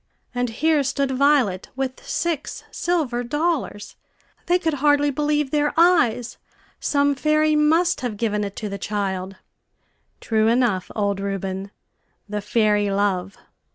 And here stood Violet with six silver dollars! They could hardly believe their eyes. Some fairy must have given it to the child. True enough, old Reuben the fairy LOVE!